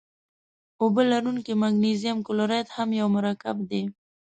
اوبه لرونکی مګنیزیم کلورایډ هم یو مهم مرکب دی.